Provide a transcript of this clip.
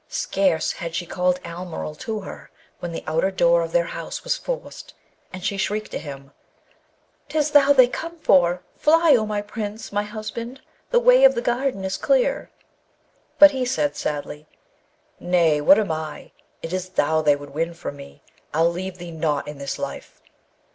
Scarce had she called Almeryl to her, when the outer door of their house was forced, and she shrieked to him, ''Tis thou they come for: fly, O my Prince, my husband! the way of the garden is clear.' But he said sadly, 'Nay, what am I? it is thou they would win from me. I'll leave thee not in this life.'